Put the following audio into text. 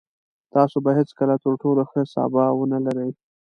تاسو به هېڅکله تر ټولو ښه سبا ونلرئ.